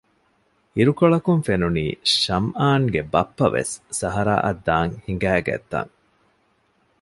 އިރުކޮޅަކުން ފެނުނީ ޝަމްއާންގެ ބައްޕަވެސް ސަހަރާއަށް ދާން ހިނގައިގަތްތަން